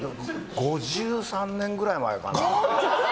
５３年くらい前かな。